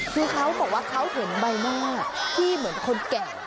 คือเขาบอกว่าเขาเห็นใบหน้าที่เหมือนคนแก่